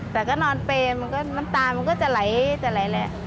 แต่ก็นอนเป็นมันตามันก็จะไหลเลย